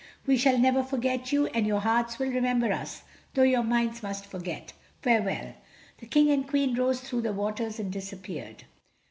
We shall never forget you, and your hearts will remember us, though your minds must forget. Farewell." The King and Queen rose through the waters and disappeared.